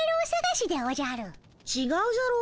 「ちがうじゃろー」